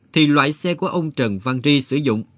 thì loại xe của ông trần văn ri sử dụng